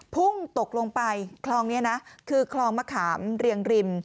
พุ่งตกลงไปคลองนี้นะคือคลองมะขามเรียงริม